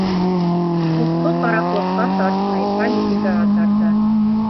Ҡотҡо — ҡараҡлыҡҡа тартмай, политикаға тарта...